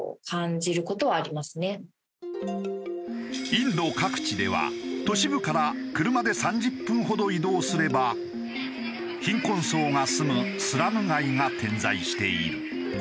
インド各地では都市部から車で３０分ほど移動すれば貧困層が住むスラム街が点在している。